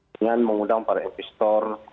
dengan mengundang para investor